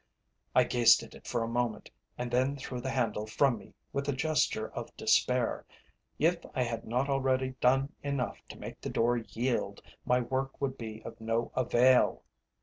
I gazed at it for a moment, and then threw the handle from me with a gesture of despair. If I had not already done enough to make the door yield, my work would be of no avail.